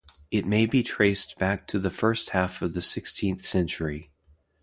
It may be traced back to the first half of the sixteenth century.